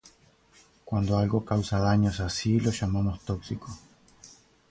Cuando algo causa daños así lo llamamos tóxico.